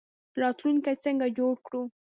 راتلونکی څنګه جوړ کړو؟